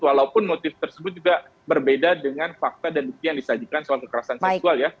walaupun motif tersebut juga berbeda dengan fakta dan bukti yang disajikan soal kekerasan seksual ya